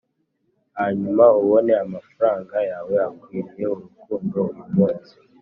hanyuma ubone amafaranga yawe akwiriye urukundo uyumunsi